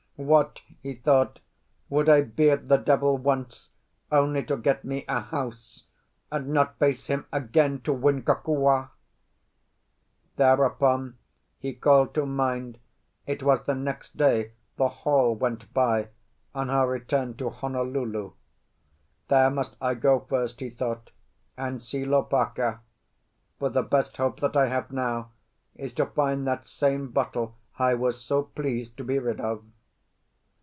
What!" he thought, "would I beard the devil once, only to get me a house, and not face him again to win Kokua?" Thereupon he called to mind it was the next day the Hall went by on her return to Honolulu. "There must I go first," he thought, "and see Lopaka. For the best hope that I have now is to find that same bottle I was so pleased to be rid of."